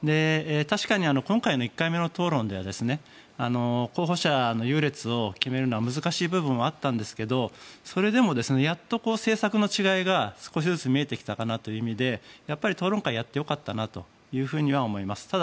確かに今回の１回目の討論では候補者の優劣を決めるのは難しい部分はあったんですがそれでもやっと政策の違いが少しずつ見えてきたかなという意味で討論会、やってよかったなとは思います。